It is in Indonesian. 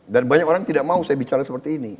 dan banyak orang tidak mau saya bicara seperti ini